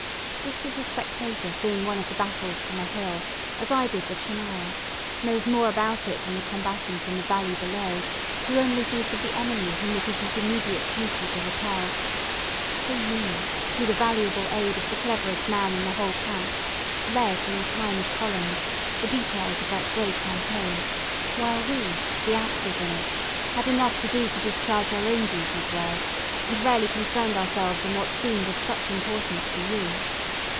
Just as a spectator seeing one of the battles from a hill, as I did the Tchernaya, knows more about it than the combatant in the valley below, who only thinks of the enemy whom it is his immediate duty to repel; so you, through the valuable aid of the cleverest man in the whole camp, read in the Times' columns the details of that great campaign, while we, the actors in it, had enough to do to discharge our own duties well, and rarely concerned ourselves in what seemed of such importance to you.